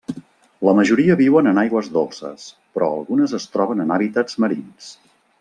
La majoria viuen en aigües dolces, però algunes es troben en hàbitats marins.